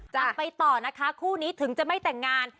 ไปต่อนะคะคู่นี้ถึงจะไม่แต่งงาน